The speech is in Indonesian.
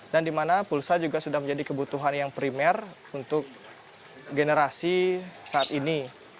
dan dimana pulsa juga sudah menjadi kebutuhan yang primer untuk generasi saat ini